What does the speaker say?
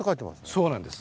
そうなんです。